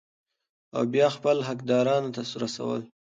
او بيا خپلو حقدارانو ته رسول ،